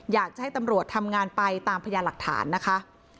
อยากจะให้ตำรวจทำงานไปตามพยานหลักฐานนะคะ